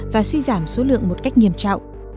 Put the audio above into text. và suy giảm số lượng một cách nghiêm trọng